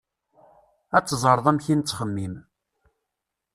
Ad teẓreḍ amek i nettxemmim.